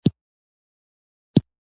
احمد د ټول کنډک غړي وکښل.